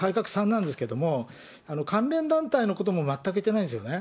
３なんですけれども、関連団体のことも全く挙げてないんですよね。